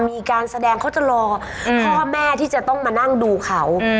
มีการแสดงเขาจะรอพ่อแม่ที่จะต้องมานั่งดูเขา